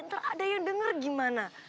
ntar ada yang denger gimana